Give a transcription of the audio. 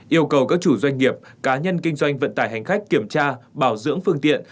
yêu cầu các chủ doanh nghiệp cá nhân kinh doanh vận tải hành khách kiểm tra bảo dưỡng phương tiện